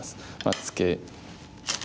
ツケ。